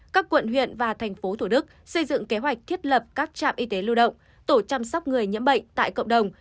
các quận huyện và thành phố thủ đức xây dựng kế hoạch thiết lập các trạm y tế lưu động tổ chăm sóc người nhiễm bệnh tại cộng đồng